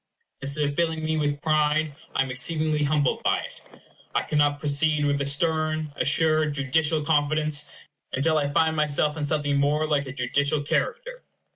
Instead of filling me with pride, I am exceedingly humbled by it. I cannot proceed with a stern, assured, judicial confidence, until I find myself in something more like a judicial character.